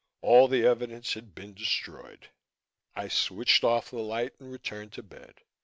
All the evidence had been destroyed. I switched off the light and returned to bed.